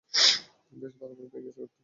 বেশ ভালোভাবেই ভেঙেছে ঘরটা!